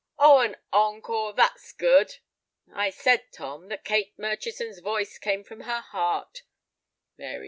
"Oh, an encore, that's good. I said, Tom, that Kate Murchison's voice came from her heart."